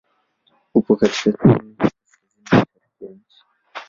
Upo katika sehemu ya kaskazini mashariki ya nchi.